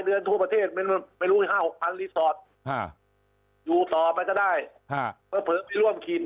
อืมอืมอืม